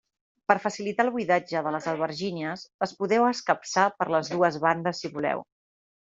Per a facilitar el buidatge de les albergínies, les podeu escapçar per les dues bandes si voleu.